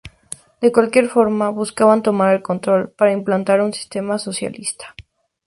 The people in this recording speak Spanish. De cualquier forma, buscaban tomar el control para implantar un sistema socialista.